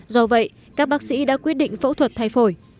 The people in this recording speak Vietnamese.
do vậy các bác sĩ đã quyết định phẫu thuật thay phổi